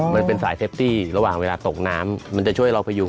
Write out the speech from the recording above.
มันเป็นสายเซฟตี้ระหว่างเวลาตกน้ำมันจะช่วยเราพยุง